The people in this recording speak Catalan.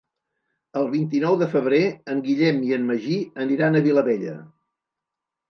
El vint-i-nou de febrer en Guillem i en Magí aniran a Vilabella.